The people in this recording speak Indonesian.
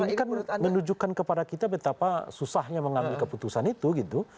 ini kan menunjukkan kepada kita betapa susahnya mengambil keputusan itu gitu